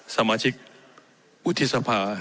สมาชิกอุทิศภา